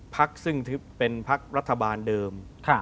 พักซึ่งเป็นพักรัฐบาลเดิม